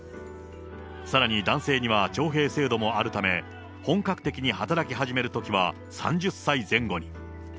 さらに男性には徴兵制度もあるため、本格的に働き始めるときは３０歳前後に。